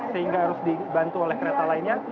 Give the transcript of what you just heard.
sehingga harus dibantu oleh kereta lainnya